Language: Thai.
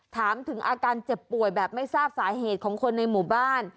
ถามถึงอาการเจ็บป่วยแบบไม่ทราบสาเหตุของคนในหมู่บ้าน